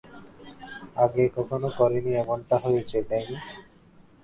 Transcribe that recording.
আগে কখনো করিনি এমনটা হয়েছে, ড্যানি?